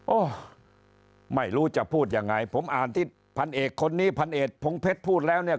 โอ้โหไม่รู้จะพูดยังไงผมอ่านที่พันเอกคนนี้พันเอกพงเพชรพูดแล้วเนี่ย